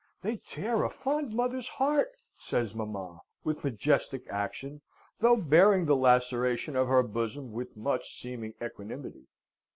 They tear a fond mother's heart," says mamma, with majestic action, though bearing the laceration of her bosom with much seeming equanimity.